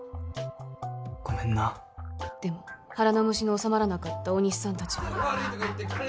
ごめんなでも腹の虫の治まらなかった大西さん達は